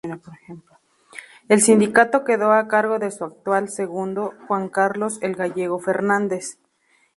El sindicato quedó a cargo de su actual "segundo", Juan Carlos ""el Gallego"" Fernández.